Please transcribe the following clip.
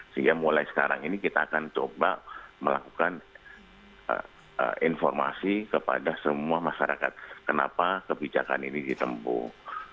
sehingga mulai sekarang ini kita akan coba melakukan informasi kepada semua masyarakat kenapa kebijakan ini ditempuh